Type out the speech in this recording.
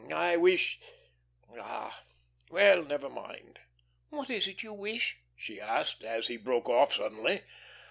I wish ah, well, never mind." "What is it that you wish?" she asked, as he broke off suddenly.